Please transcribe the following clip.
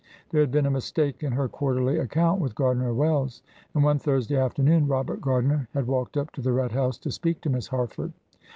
There had been a mistake in her quarterly account with Gardiner & Wells, and one Thursday afternoon Robert Gardiner had walked up to the Red House to speak to Miss Harford.